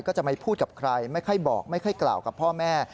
ก็จะไม่พูดกับใครไม่ค่อยบอกไม่ค่อยกล่าวกับพ่อแม่